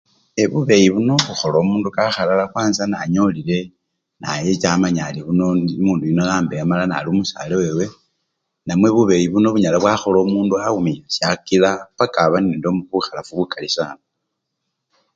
Eee bubeyi buno bukhola omundu kakhalala kwansa nanyolile na-echa amanya arii omundu yuno ambeya nali-omusale wewe namwe bubeyi buno bunyala bwakhola omundu wawumia shakila paka abe nende bukhalafu bukali sana.